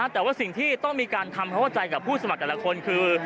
แต่ว่าสิ่งที่ต้องมีการทำความเข้าใจกับผู้สมัครแต่ละคนคือ